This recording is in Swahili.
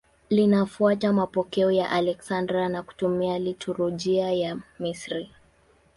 Linafuata mapokeo ya Aleksandria na kutumia liturujia ya Misri.